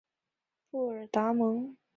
布尔达蒙。